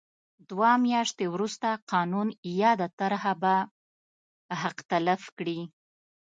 دوه میاشتې وروسته قانون یاده طرحه به حق تلف کړي.